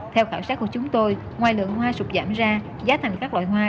theo khảo sát của chúng tôi ngoài lượng hoa sụp giảm ra giá thành các loại hoa